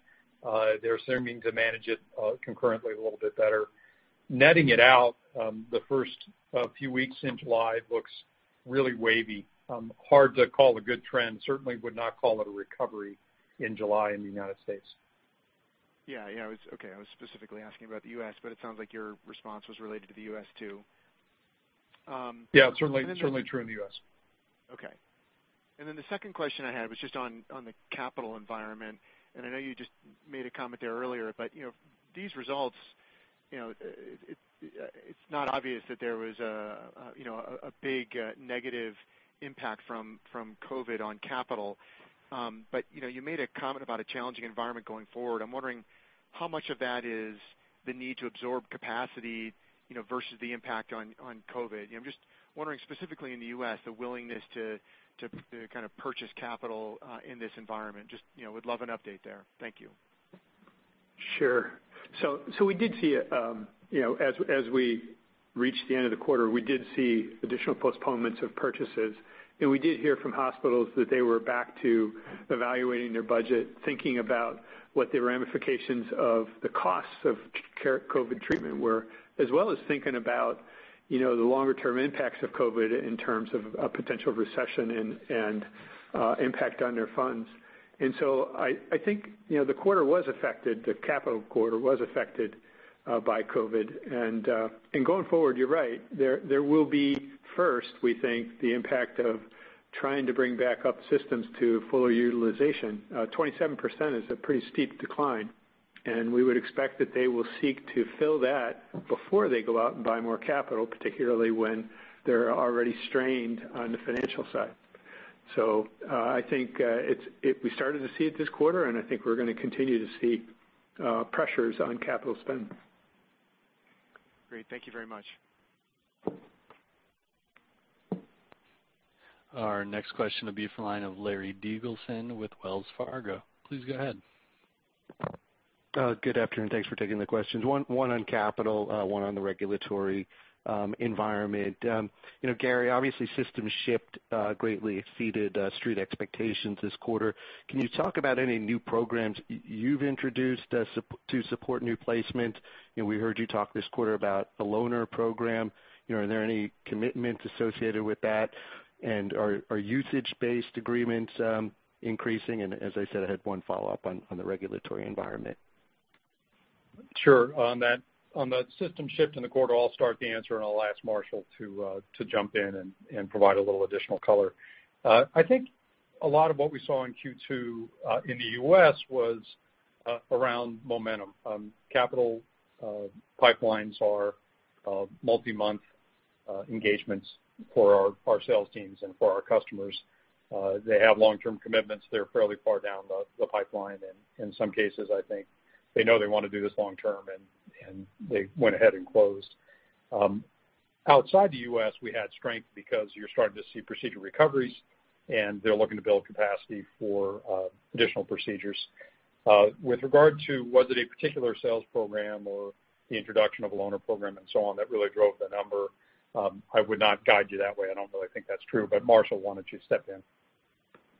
they're seeming to manage it concurrently a little bit better. Netting it out, the first few weeks in July, it looks really wavy. Hard to call a good trend. Certainly would not call it a recovery in July in the U.S. Yeah. Okay. I was specifically asking about the U.S., but it sounds like your response was related to the U.S., too. Yeah, certainly true in the U.S. Okay. The second question I had was just on the capital environment, I know you just made a comment there earlier, but these results, it's not obvious that there was a big negative impact from COVID on capital. You made a comment about a challenging environment going forward. I'm wondering how much of that is the need to absorb capacity versus the impact on COVID. I'm just wondering, specifically in the U.S., the willingness to kind of purchase capital in this environment. Just would love an update there. Thank you. Sure. We did see, as we reached the end of the quarter, we did see additional postponements of purchases, and we did hear from hospitals that they were back to evaluating their budget, thinking about what the ramifications of the costs of COVID treatment were, as well as thinking about the longer-term impacts of COVID in terms of a potential recession and impact on their funds. I think the capital quarter was affected by COVID and going forward, you're right. There will be first, we think, the impact of trying to bring back up systems to fuller utilization. 27% is a pretty steep decline, and we would expect that they will seek to fill that before they go out and buy more capital, particularly when they're already strained on the financial side. I think we started to see it this quarter, and I think we're going to continue to see pressures on capital spend. Great. Thank you very much. Our next question will be from the line of Larry Biegelsen with Wells Fargo. Please go ahead. Good afternoon. Thanks for taking the questions. One on capital, one on the regulatory environment. Gary, obviously, system shipped greatly exceeded street expectations this quarter. Can you talk about any new programs you've introduced to support new placement? We heard you talk this quarter about a loaner program. Are there any commitments associated with that, and are usage-based agreements increasing? As I said, I had one follow-up on the regulatory environment. Sure. On the system shipped in the quarter, I'll start the answer, and I'll ask Marshall to jump in and provide a little additional color. I think a lot of what we saw in Q2 in the U.S. was around momentum. Capital pipelines are multi-month engagements for our sales teams and for our customers. They have long-term commitments. They're fairly far down the pipeline, and in some cases, I think they know they want to do this long term, and they went ahead and closed. Outside the U.S., we had strength because you're starting to see procedure recoveries, and they're looking to build capacity for additional procedures. With regard to was it a particular sales program or the introduction of a loaner program and so on that really drove the number, I would not guide you that way. I don't really think that's true. Marshall, why don't you step in?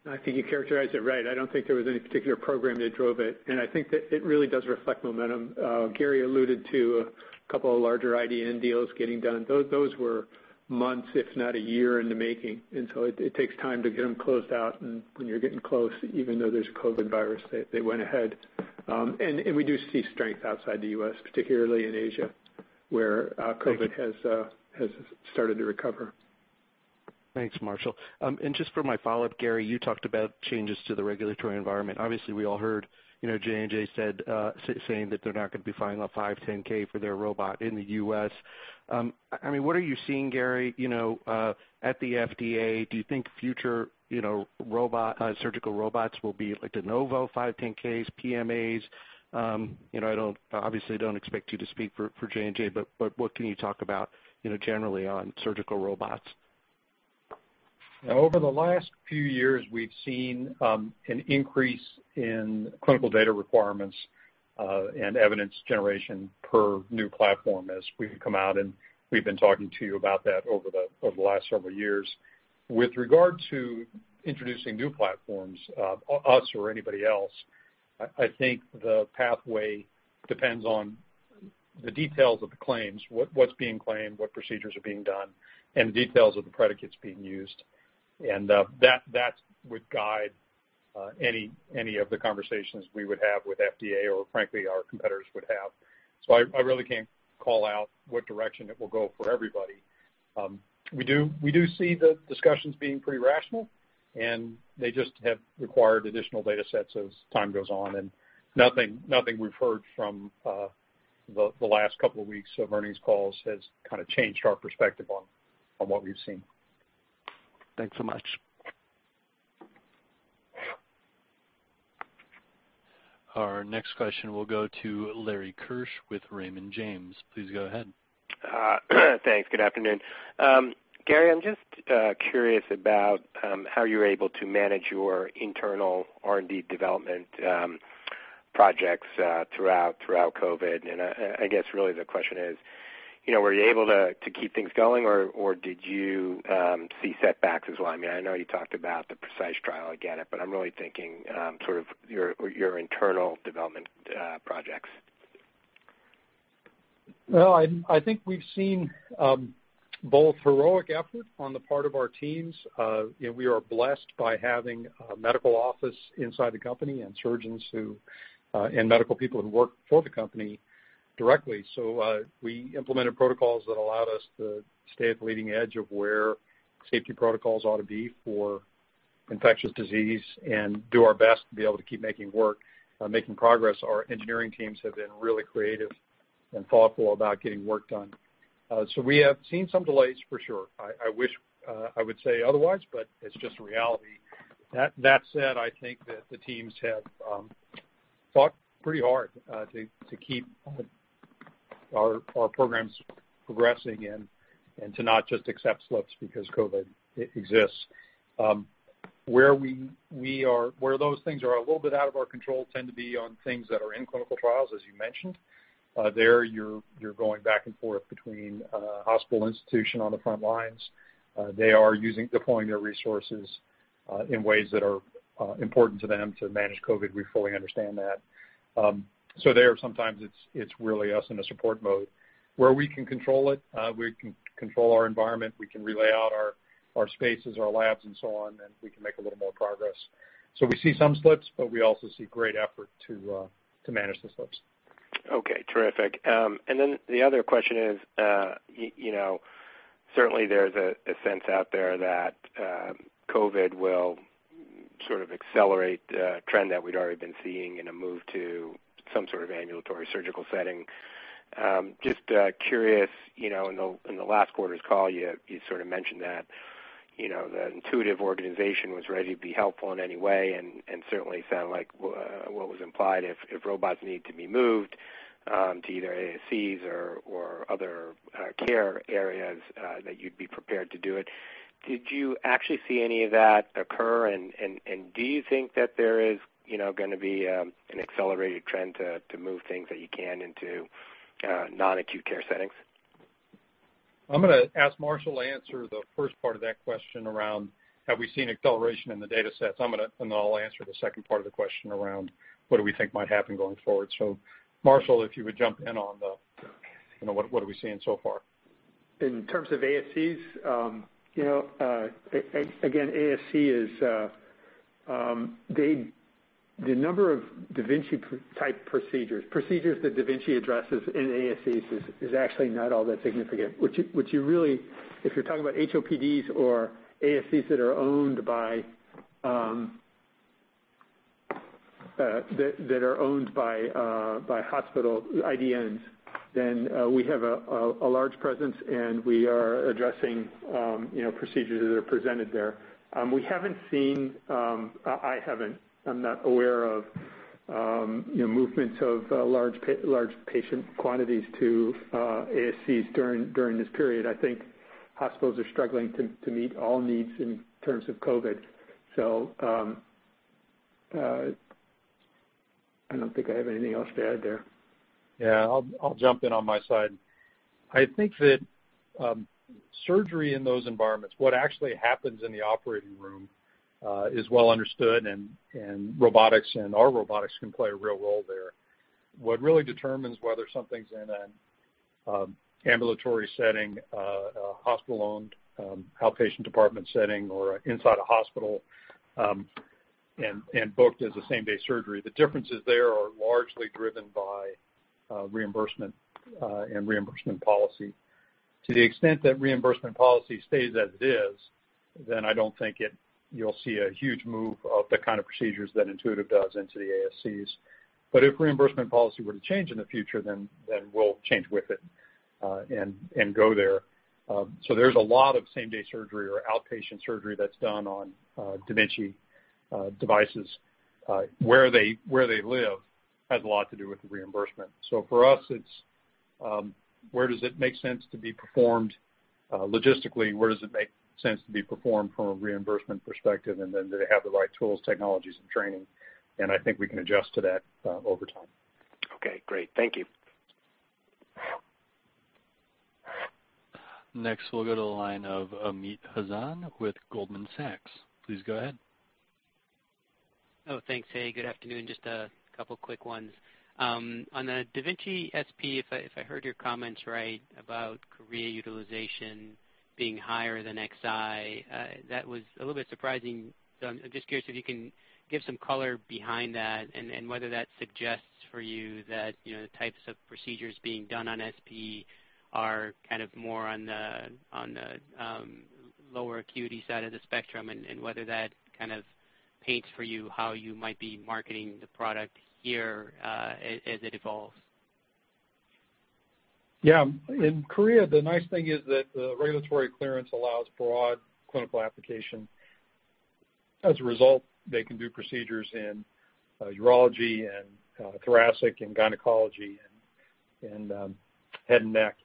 I think you characterized it right. I don't think there was any particular program that drove it, and I think that it really does reflect momentum. Gary alluded to a couple of larger IDN deals getting done. Those were months, if not a year in the making, and so it takes time to get them closed out. When you're getting close, even though there's a COVID virus, they went ahead. We do see strength outside the U.S., particularly in Asia, where COVID has started to recover. Thanks, Marshall. Just for my follow-up, Gary, you talked about changes to the regulatory environment. Obviously, we all heard J&J saying that they're not going to be filing a 510 for their robot in the U.S. What are you seeing, Gary, at the FDA? Do you think future surgical robots will be like De Novo 510s, PMAs? I obviously don't expect you to speak for J&J, what can you talk about generally on surgical robots? Over the last few years, we've seen an increase in clinical data requirements and evidence generation per new platform as we've come out, and we've been talking to you about that over the last several years. With regard to introducing new platforms, us or anybody else, I think the pathway depends on the details of the claims, what's being claimed, what procedures are being done, and the details of the predicates being used. That would guide any of the conversations we would have with FDA or frankly, our competitors would have. I really can't call out what direction it will go for everybody. We do see the discussions being pretty rational, and they just have required additional data sets as time goes on, and nothing we've heard from the last couple of weeks of earnings calls has changed our perspective on what we've seen. Thanks so much. Our next question will go to Lawrence Keusch with Raymond James. Please go ahead. Thanks. Good afternoon. Gary, I'm just curious about how you're able to manage your internal R&D development projects throughout COVID. I guess really the question is, were you able to keep things going or did you see setbacks as well? I know you talked about the PRECIsE trial, I get it, but I'm really thinking sort of your internal development projects. Well, I think we've seen both heroic effort on the part of our teams. We are blessed by having a medical office inside the company and surgeons who, and medical people who work for the company directly. We implemented protocols that allowed us to stay at the leading edge of where safety protocols ought to be for infectious disease and do our best to be able to keep making progress. Our engineering teams have been really creative and thoughtful about getting work done. We have seen some delays for sure. I wish I would say otherwise, but it's just reality. That said, I think that the teams have fought pretty hard to keep our programs progressing and to not just accept slips because COVID exists. Where those things are a little bit out of our control tend to be on things that are in clinical trials, as you mentioned. There, you're going back and forth between a hospital institution on the front lines. They are deploying their resources in ways that are important to them to manage COVID. We fully understand that. There, sometimes it's really us in a support mode. Where we can control it, we can control our environment, we can relay out our spaces, our labs and so on, and we can make a little more progress. We see some slips, but we also see great effort to manage the slips. Okay, terrific. The other question is, certainly there's a sense out there that COVID will sort of accelerate a trend that we'd already been seeing in a move to some sort of ambulatory surgical setting. Just curious, in the last quarter's call, you sort of mentioned that the Intuitive organization was ready to be helpful in any way, and certainly sounded like what was implied if robots need to be moved to either ASCs or other care areas, that you'd be prepared to do it. Did you actually see any of that occur, and do you think that there is going to be an accelerated trend to move things that you can into non-acute care settings? I'm going to ask Marshall to answer the first part of that question around, have we seen acceleration in the data sets? I'll answer the second part of the question around what do we think might happen going forward. Marshall, if you would jump in on the, what are we seeing so far? In terms of ASCs, again, the number of da Vinci type procedures that da Vinci addresses in ASCs is actually not all that significant. If you're talking about HOPDs or ASCs that are owned by hospital IDNs, then we have a large presence, and we are addressing procedures that are presented there. I'm not aware of movements of large patient quantities to ASCs during this period. I think hospitals are struggling to meet all needs in terms of COVID-19. I don't think I have anything else to add there. Yeah, I'll jump in on my side. I think that surgery in those environments, what actually happens in the operating room is well understood, and robotics and our robotics can play a real role there. What really determines whether something's in an ambulatory setting, a hospital-owned outpatient department setting or inside a hospital, and booked as a same-day surgery, the differences there are largely driven by reimbursement and reimbursement policy. To the extent that reimbursement policy stays as it is, I don't think you'll see a huge move of the kind of procedures that Intuitive does into the ASCs. If reimbursement policy were to change in the future, we'll change with it, and go there. There's a lot of same-day surgery or outpatient surgery that's done on da Vinci devices. Where they live has a lot to do with the reimbursement. For us, it's where does it make sense to be performed logistically? Where does it make sense to be performed from a reimbursement perspective? Then do they have the right tools, technologies, and training? I think we can adjust to that over time. Okay, great. Thank you. Next, we'll go to the line of Amit Hazan with Goldman Sachs. Please go ahead. Oh, thanks. Hey, good afternoon. Just a couple quick ones. On the da Vinci SP, if I heard your comments right about Korea utilization being higher than Xi, that was a little bit surprising. I'm just curious if you can give some color behind that and whether that suggests for you that the types of procedures being done on SP are more on the lower acuity side of the spectrum, and whether that kind of paints for you how you might be marketing the product here, as it evolves. Yeah. In Korea, the nice thing is that the regulatory clearance allows broad clinical application. As a result, they can do procedures in urology and thoracic and gynecology and head and neck.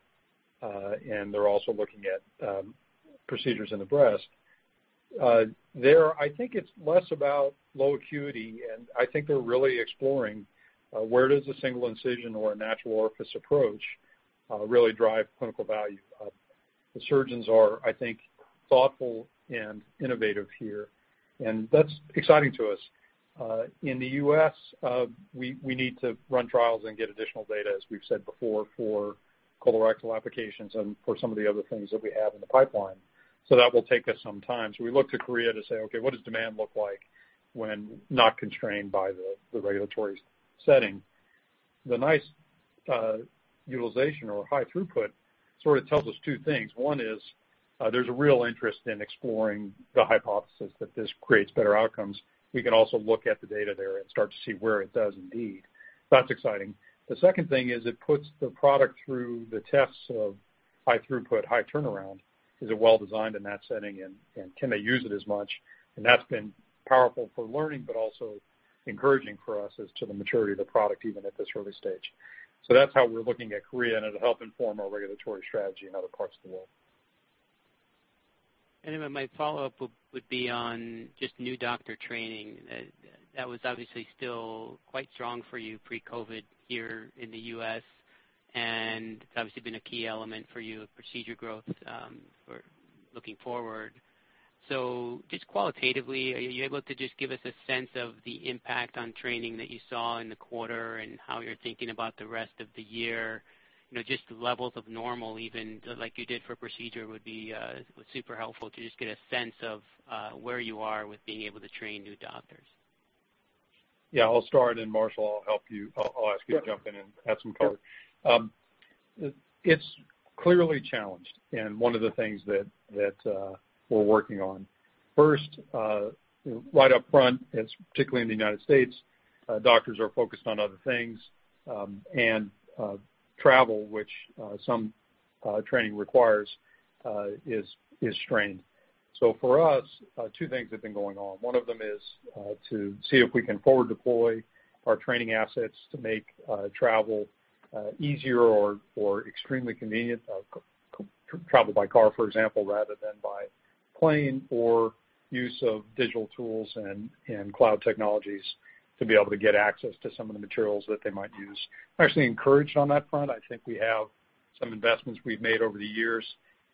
They're also looking at procedures in the breast. There, I think it's less about low acuity, and I think they're really exploring where does a single incision or a natural orifice approach really drive clinical value up? The surgeons are, I think, thoughtful and innovative here, and that's exciting to us. In the U.S., we need to run trials and get additional data, as we've said before, for colorectal applications and for some of the other things that we have in the pipeline. That will take us some time. We looked to Korea to say, "Okay, what does demand look like when not constrained by the regulatory setting?" The nice utilization or high throughput sort of tells us two things. One is, there's a real interest in exploring the hypothesis that this creates better outcomes. We can also look at the data there and start to see where it does indeed. That's exciting. The second thing is it puts the product through the tests of high throughput, high turnaround. Is it well-designed in that setting, and can they use it as much? That's been powerful for learning, but also encouraging for us as to the maturity of the product, even at this early stage. That's how we're looking at Korea, and it'll help inform our regulatory strategy in other parts of the world. My follow-up would be on just new doctor training. That was obviously still quite strong for you pre-COVID here in the U.S., and it's obviously been a key element for you, procedure growth, for looking forward. Just qualitatively, are you able to just give us a sense of the impact on training that you saw in the quarter and how you're thinking about the rest of the year? Just the levels of normal even, like you did for procedure, would be super helpful to just get a sense of where you are with being able to train new doctors. Yeah, I'll start and Marshall, I'll ask you to jump in and add some color. Sure. It's clearly challenged, and one of the things that we're working on. First, right up front, it's particularly in the United States, doctors are focused on other things, and travel, which some training requires, is strained. For us, two things have been going on. One of them is to see if we can forward deploy our training assets to make travel easier or extremely convenient. Travel by car, for example, rather than by plane, or use of digital tools and cloud technologies to be able to get access to some of the materials that they might use. I'm actually encouraged on that front. I think we have some investments we've made over the years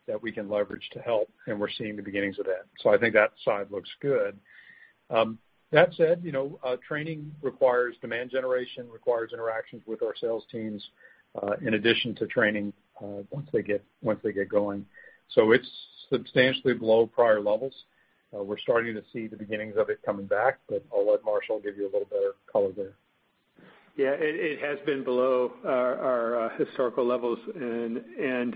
that we can leverage to help, and we're seeing the beginnings of that. I think that side looks good. That said, training requires demand generation, requires interactions with our sales teams, in addition to training, once they get going. It's substantially below prior levels. We're starting to see the beginnings of it coming back, but I'll let Marshall give you a little better color there. Yeah. It has been below our historical levels, and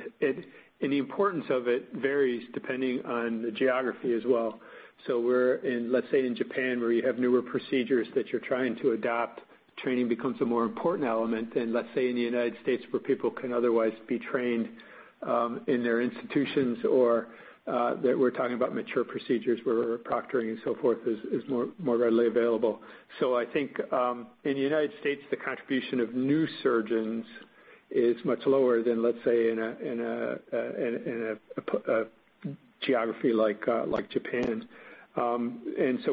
the importance of it varies depending on the geography as well. We're in, let's say in Japan, where you have newer procedures that you're trying to adopt, training becomes a more important element than, let's say, in the United States, where people can otherwise be trained in their institutions or that we're talking about mature procedures where proctoring and so forth is more readily available. I think, in the United States, the contribution of new surgeons is much lower than, let's say, in a geography like Japan.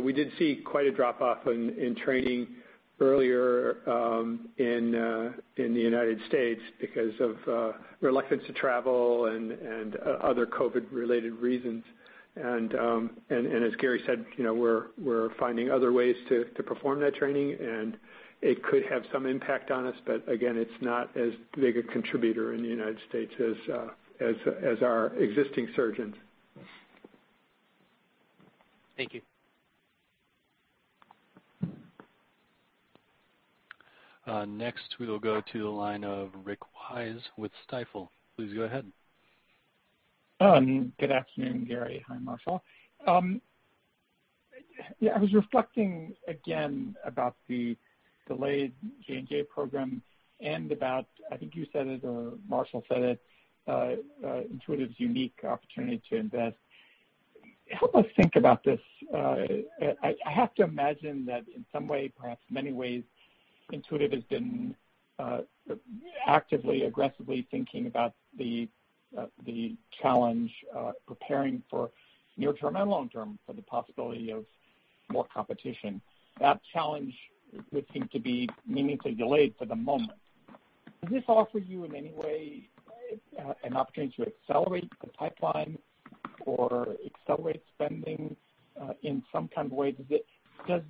We did see quite a drop-off in training earlier in the United States because of reluctance to travel and other COVID-related reasons. As Gary said, we're finding other ways to perform that training, and it could have some impact on us. Again, it's not as big a contributor in the United States as our existing surgeons. Thank you. Next, we will go to the line of Rick Wise with Stifel. Please go ahead. Good afternoon, Gary. Hi, Marshall. I was reflecting again about the delayed Johnson & Johnson program and about, I think you said it or Marshall said it, Intuitive's unique opportunity to invest. Help us think about this. I have to imagine that in some way, perhaps many ways, Intuitive has been actively, aggressively thinking about the challenge, preparing for near term and long term for the possibility of more competition. That challenge would seem to be meaningfully delayed for the moment. Does this offer you in any way an opportunity to accelerate the pipeline or accelerate spending in some kind of way? Does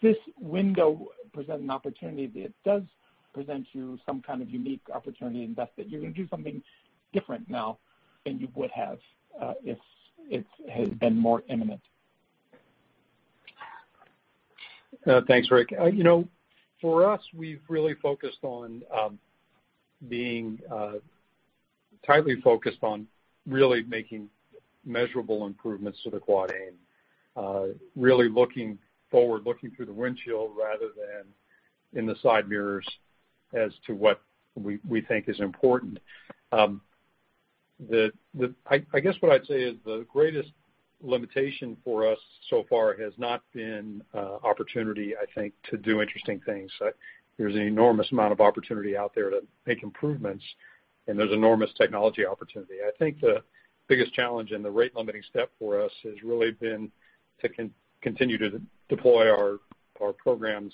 this window present an opportunity? It does present you some kind of unique opportunity to invest, that you're going to do something different now than you would have if it had been more imminent. Thanks, Rick. For us, we've really focused on being tightly focused on really making measurable improvements to the Quadruple Aim, really looking forward, looking through the windshield rather than in the side mirrors as to what we think is important. I guess what I'd say is the greatest limitation for us so far has not been opportunity, I think, to do interesting things. There's an enormous amount of opportunity out there to make improvements, there's enormous technology opportunity. I think the biggest challenge and the rate limiting step for us has really been to continue to deploy our programs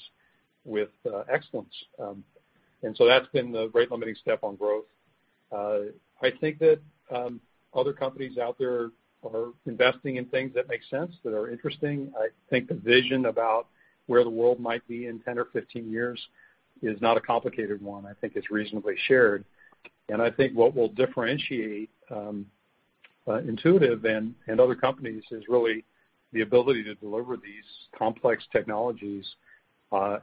with excellence. That's been the rate limiting step on growth. I think that other companies out there are investing in things that make sense, that are interesting. I think the vision about where the world might be in 10 or 15 years is not a complicated one. I think it's reasonably shared. I think what will differentiate Intuitive and other companies is really the ability to deliver these complex technologies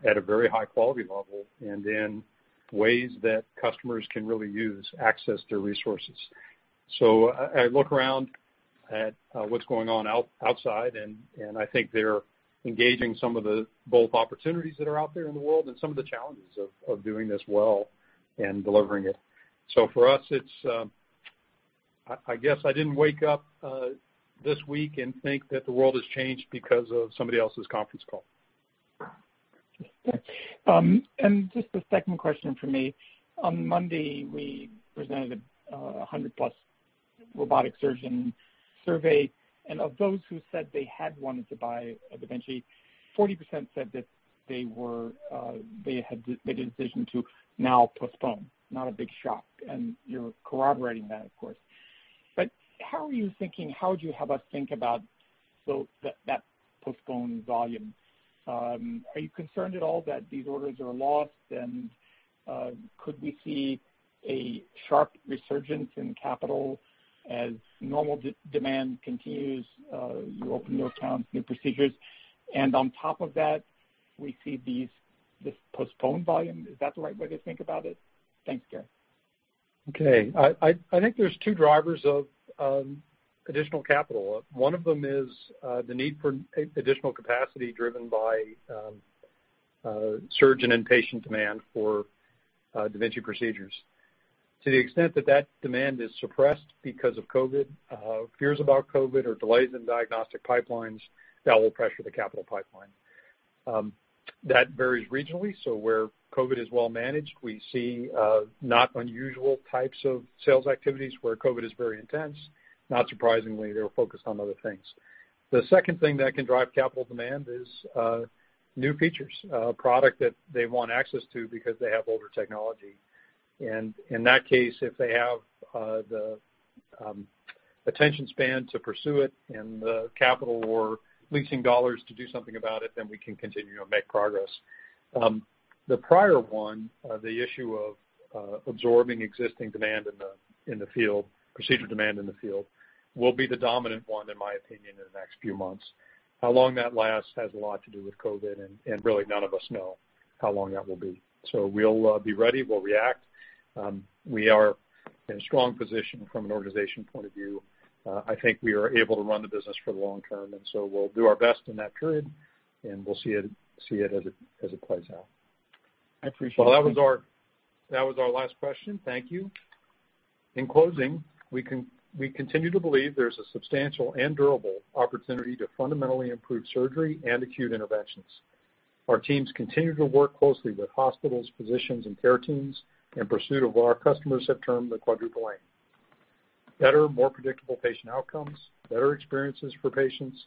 at a very high quality level and in ways that customers can really use access to resources. I look around at what's going on outside, and I think they're engaging some of both opportunities that are out there in the world and some of the challenges of doing this well and delivering it. For us, I guess I didn't wake up this week and think that the world has changed because of somebody else's conference call. Just the second question from me. On Monday, we presented a 100-plus robotic surgeon survey, and of those who said they had wanted to buy a da Vinci, 40% said that they had made a decision to now postpone. Not a big shock. You're corroborating that, of course. How are you thinking, how would you have us think about that postponed volume? Are you concerned at all that these orders are lost, and could we see a sharp resurgence in capital as normal demand continues, you open new accounts, new procedures, and on top of that, we see this postponed volume? Is that the right way to think about it? Thanks, Gary. Okay. I think there's two drivers of additional capital. One of them is the need for additional capacity driven by surgeon and patient demand for da Vinci procedures. To the extent that that demand is suppressed because of COVID, fears about COVID, or delays in diagnostic pipelines, that will pressure the capital pipeline. That varies regionally. Where COVID is well managed, we see not unusual types of sales activities. Where COVID is very intense, not surprisingly, they're focused on other things. The second thing that can drive capital demand is new features, a product that they want access to because they have older technology. In that case, if they have the attention span to pursue it and the capital or leasing dollars to do something about it, we can continue and make progress. The prior one, the issue of absorbing existing demand in the field, procedure demand in the field, will be the dominant one, in my opinion, in the next few months. How long that lasts has a lot to do with COVID-19, and really none of us know how long that will be. We'll be ready. We'll react. We are in a strong position from an organization point of view. I think we are able to run the business for the long term, and so we'll do our best in that period, and we'll see it as it plays out. I appreciate it. Well, that was our last question. Thank you. In closing, we continue to believe there's a substantial and durable opportunity to fundamentally improve surgery and acute interventions. Our teams continue to work closely with hospitals, physicians, and care teams in pursuit of what our customers have termed the Quadruple Aim. Better, more predictable patient outcomes, better experiences for patients,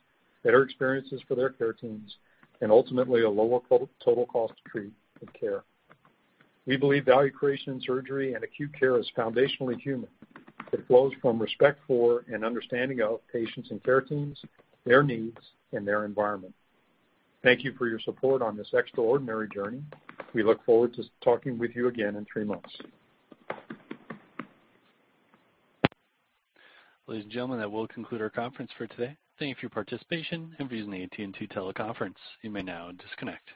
better experiences for their care teams, and ultimately, a lower total cost to treat and care. We believe value creation in surgery and acute care is foundationally human. It flows from respect for and understanding of patients and care teams, their needs, and their environment. Thank you for your support on this extraordinary journey. We look forward to talking with you again in three months. Ladies and gentlemen, that will conclude our conference for today. Thank you for your participation and for using the AT&T teleconference. You may now disconnect.